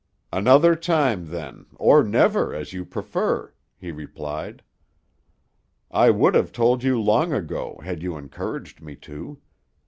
"Another time, then, or never, as you prefer," he replied. "I would have told you long ago, had you encouraged me to.